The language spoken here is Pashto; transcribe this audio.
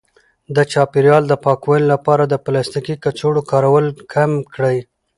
د چاپیریال د پاکوالي لپاره د پلاستیکي کڅوړو کارول کم کړئ.